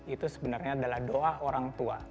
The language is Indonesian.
itu sebenarnya adalah doa orang tua